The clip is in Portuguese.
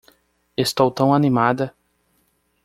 Estou tão animada!